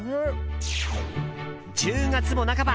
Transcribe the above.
１０月も半ば。